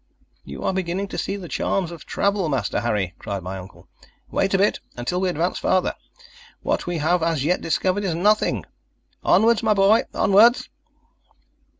"You are beginning to see the charms of travel, Master Harry," cried my uncle. "Wait a bit, until we advance farther. What we have as yet discovered is nothing onwards, my boy, onwards!"